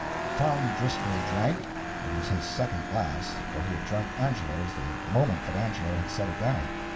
Tom Driscoll drank. It was his second glass, for he had drunk Angelo's the moment that Angelo had set it down.